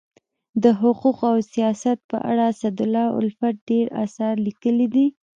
د حقوقو او سیاست په اړه اسدالله الفت ډير اثار لیکلي دي.